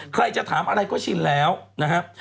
ใครจะถามอะไรก็ชินแล้วนะครับ